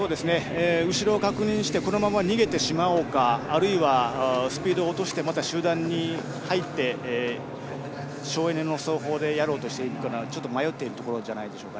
後ろを確認してこのまま逃げてしまおうかあるいは、スピードを落としてまた集団に入って、省エネの走法でやろうとしているか迷っているところじゃないですか。